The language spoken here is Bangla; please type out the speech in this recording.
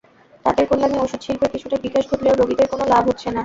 তাঁদের কল্যাণে ওষুধশিল্পের কিছুটা বিকাশ ঘটলেও রোগীদের কোনো লাভ হচ্ছে না।